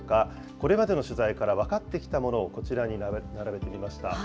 これまでの取材から分かってきたものをこちらに並べてみました。